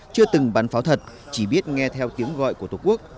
chưa từng bắn pháo thật chỉ biết nghe theo tiếng gọi của tổ quốc